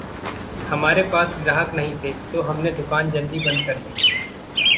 हमारे पास ग्राहक नहीं थे, तो हमने दुकान जल्दी बंद करदी।